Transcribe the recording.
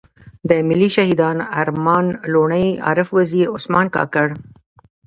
ملي شهيدان ارمان لوڼی، عارف وزير، عثمان کاکړ.